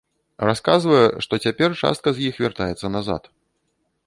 Расказвае, што цяпер частка з іх вяртаецца назад.